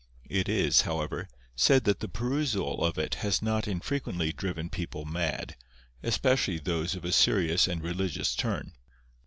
It is, however, said that the perusal of it has not unfrequently driven people mad, especially those of a serious and religious turn.